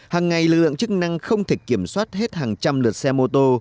hàng ngày lực lượng chức năng không thể kiểm soát hết hàng trăm lượt xe mô tô